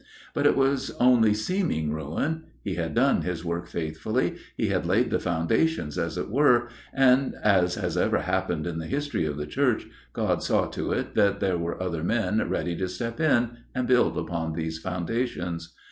But it was only seeming ruin. He had done his work faithfully; he had laid the foundations, as it were; and, as has ever happened in the history of the Church, God saw to it that there were other men ready to step in, and build upon these foundations.